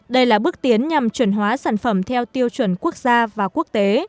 đây là bước tiến nhằm chuẩn hóa sản phẩm theo tiêu chuẩn quốc gia và quốc tế